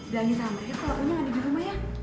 bilangin sama mereka kalau aku gak ada di rumah ya